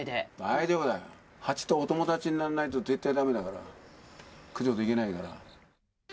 ハチとお友達になんないと絶対だめだから、駆除できないから。